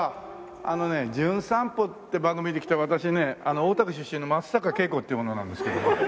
あのね『じゅん散歩』って番組で来た私ね大田区出身の松坂慶子っていう者なんですけども。